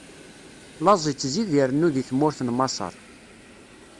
Laẓ ittzid irennu di tmurt n Maṣer.